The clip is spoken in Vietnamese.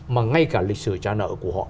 mà ngay cả lịch sử trả nợ của họ